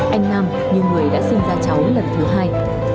anh nam như người đã sinh ra cháu lần thứ hai